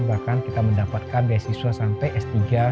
bahkan kita mendapatkan beasiswa sampai s tiga